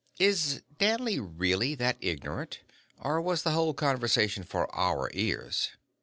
"Is Danley really that ignorant, or was the whole conversation for our ears?"